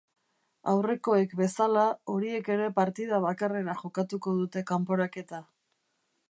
Aurrekoek bezala, horiek ere partida bakarrera jokatuko dute kanporaketa.